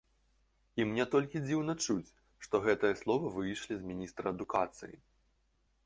І мне толькі дзіўна чуць, што гэтыя словы выйшлі з міністра адукацыі.